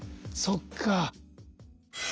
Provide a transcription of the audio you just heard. そっか。